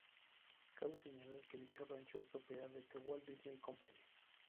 Cabe señalar que dicho rancho es propiedad de The Walt Disney Company.